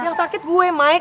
yang sakit gue mike